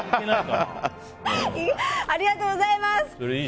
ありがとうございます。